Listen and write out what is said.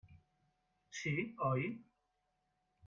Sí, oi?